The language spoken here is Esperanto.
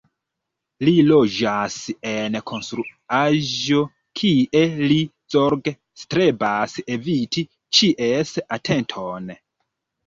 Li loĝas en konstruaĵo kie li zorge strebas eviti ĉies atenton.